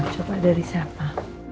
coba dari siapa